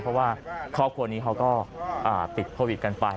เพราะว่าครอบครัวนี้เขาก็ติดโควิดกันไป